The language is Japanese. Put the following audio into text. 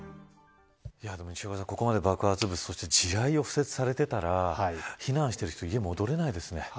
西岡さん、ここまで爆発物そして地雷を敷設されてたら避難している人家に戻れないですね。